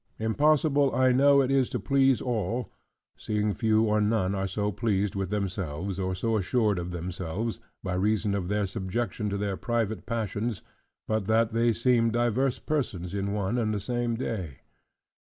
Impossible I know it is to please all; seeing few or none are so pleased with themselves, or so assured of themselves, by reason of their subjection to their private passions, but that they seem divers persons in one and the same day.